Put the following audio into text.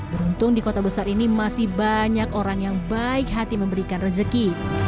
beruntung di kota besar ini masih banyak orang yang baik hati memberikan rezeki